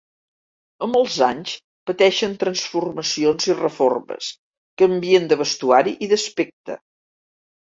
Amb els anys pateixen transformacions i reformes, canvien de vestuari i d'aspecte.